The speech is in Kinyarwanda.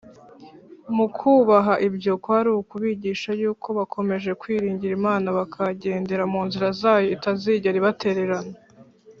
. Mu kubaha ibyo, kwari ukubigisha yuko bakomeje kwiringira Imana bakagendera mu nzira zayo itazigera ibatererena